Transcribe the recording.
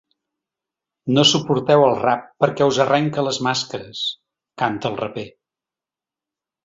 “No suporteu el rap perquè us arrenca les màscares”, canta el raper.